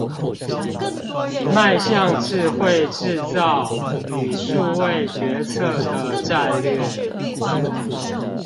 邁向智慧製造與數位決策的戰略